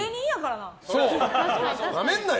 なめんなよ！